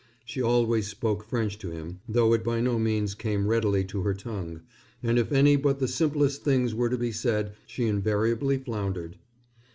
She always spoke French to him, though it by no means came readily to her tongue, and if any but the simplest things were to be said she invariably floundered.